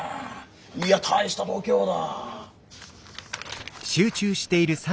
いや大した度胸だ。